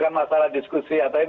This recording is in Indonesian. namun masalah publikasi itu penting